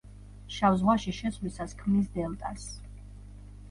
შავ ზღვაში შესვლისას ქმნის დელტას.